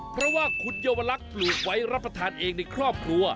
เพราะว่าคุณเยาวลักษณ์ปลูกไว้รับประทานเองในครอบครัว